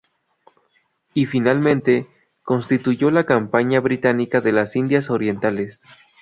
Y, finalmente, constituyó la Compañía Británica de las Indias Orientales.